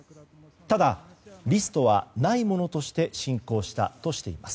ただ、リストはないものとして進行したとしています。